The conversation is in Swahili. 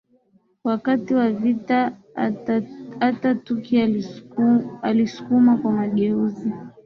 wakati wa vita Ataturk alisukuma kwa mageuzi